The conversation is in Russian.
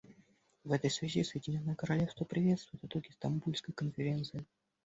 В этой связи Соединенное Королевство приветствует итоги Стамбульской конференции.